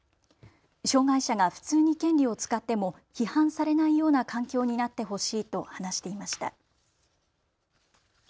障害者が普通に権利を使っても批判されないような環境になってほしいと話していました。